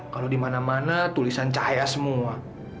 kalau di mana mana tulisan cahaya semua